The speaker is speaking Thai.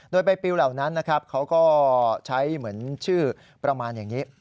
โดยใบปิวเหล่านั้นนะครับเขาก็ใช้เหมือนชื่อประมาณอย่างนี้